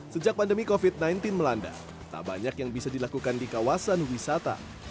sejak pandemi covid sembilan belas melanda tak banyak yang bisa dilakukan di kawasan wisata